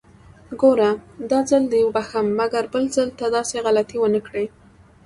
ګوره! داځل دې بښم، مګر بل ځل ته داسې غلطي ونکړې!